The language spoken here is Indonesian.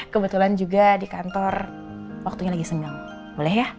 kebetulan juga di kantor waktunya lagi senang boleh ya